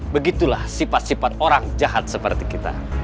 begitulah sifat sifat orang jahat seperti kita